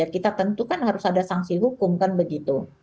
kita tentukan harus ada sanksi hukum kan begitu